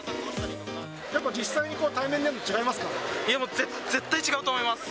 やっぱり実際に対面でやるといやもう、絶対違うと思います。